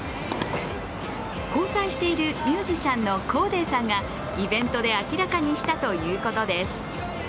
交際しているミュージシャンのコーデーさんが、イベントで明らかにしたということです。